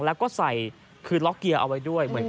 และก็ใส่เขผ่องดางไว้ด้วย